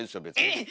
えっ！